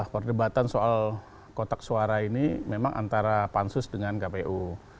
perdebatan soal kotak suara ini memang antara pansus dengan kpu